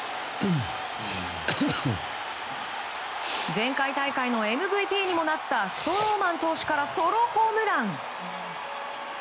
前回大会のＭＶＰにもなったストローマン投手からソロホームラン！